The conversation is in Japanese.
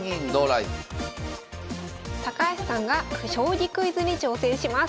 高橋さんが「将棋クイズ」に挑戦します。